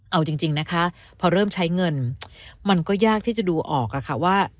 เอาจริงนะคะพอเริ่มใช้เงินมันก็ยากที่จะดูออกอะค่ะว่า